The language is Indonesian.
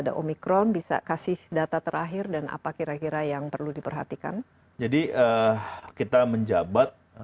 ada omikron bisa kasih data terakhir dan apa kira kira yang perlu diperhatikan jadi kita menjabat